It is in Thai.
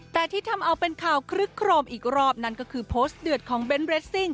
แต่ที่ทำเอาเป็นข่าวคลึกโครมอีกรอบนั่นก็คือโพสต์เดือดของเบนทเรสซิ่ง